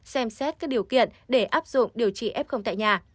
xem xét các điều kiện để áp dụng điều trị f tại nhà